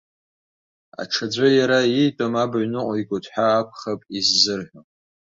Аҽаӡәы иара иитәым абаҩ ныҟәигоит ҳәа акәхап иззырҳәо.